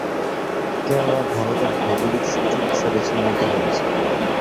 কেওড়া ভারতের ভৌগোলিক সূচক হিসাবে চিহ্নিত হয়েছে।